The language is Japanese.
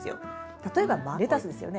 例えばレタスですよね